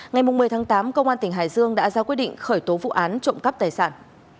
ngày một mươi tháng tám công an tỉnh hải dương đã ra quyết định khởi tố vụ án trộm cắp tài sản